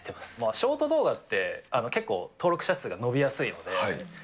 ショート動画って結構、登録者数が伸びやすいので。